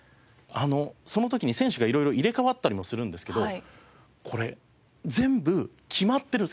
その時に選手が色々入れ替わったりもするんですけどこれ全部決まってる決まり事があるんですよ。